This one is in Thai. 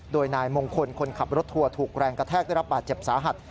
โดยนายมงคลคนขับรถทัวร์ถูกแรงกระแทกได้รับบาดเจ็บสาหัส